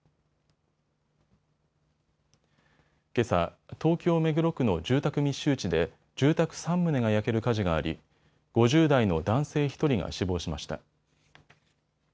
けさ、東京目黒区の住宅密集地で住宅３棟が焼ける火事があり５０代の男性１人が死亡しました。